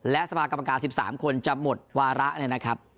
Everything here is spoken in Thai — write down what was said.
และสมาคมการ๑๓คนจะหมดวาระเนี่ยนะครับ